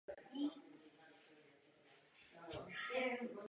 Loď musela nouzově přistát.